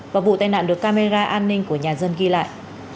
và vụ tai nạn được camera an ninh của nhà dân ghi lại